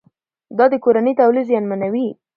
دا د کورني تولید زیانمنوي.